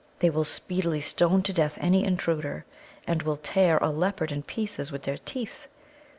They will speedily stone to death any intruder, and will tear a leopard in pieces with their teeth.